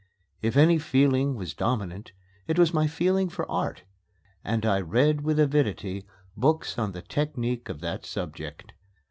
If any feeling was dominant, it was my feeling for art; and I read with avidity books on the technique of that subject.